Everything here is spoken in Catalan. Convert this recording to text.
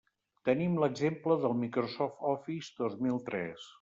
Tenim l'exemple del Microsoft Office dos mil tres.